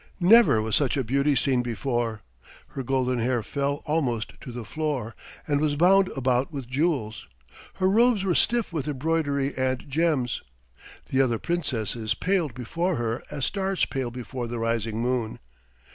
Never was such a beauty seen before. Her golden hair fell almost to the floor and was bound about with jewels. Her robes were stiff with embroidery and gems. The other Princesses paled before her as stars pale before the rising moon.